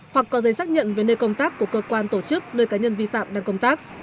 hoặc có giấy xác nhận về nơi công tác của cơ quan tổ chức nơi cá nhân vi phạm đang công tác